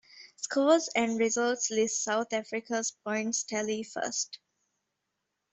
Scores and results list South Africa's points tally first.